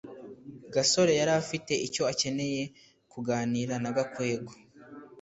gasore yari afite icyo akeneye kuganira na gakwego